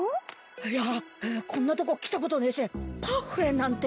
いやこんなとこ来たことねえしパッフェなんて。